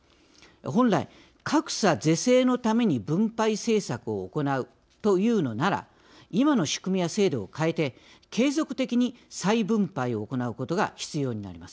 本来、格差是正のために分配政策を行うというのなら今の仕組みや制度を変えて継続的に再分配を行うことが必要になります。